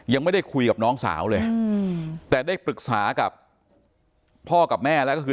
ยังไม่ได้คุยกับน้องสาวเลยแต่ได้ปรึกษากับพ่อกับแม่แล้วก็คือ